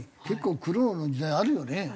結構苦労の時代あるよね？